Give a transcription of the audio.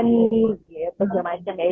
pertama teman teman pernikahan